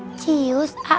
cius a'a sobri naksir sama aku